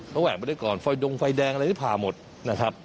เขาแหวกไปได้ก่อนไฟดงไฟแดงอะไรที่ผ่าหมดนะครับ